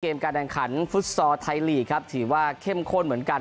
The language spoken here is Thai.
การแข่งขันฟุตซอร์ไทยลีกครับถือว่าเข้มข้นเหมือนกัน